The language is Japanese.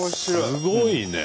すごいね。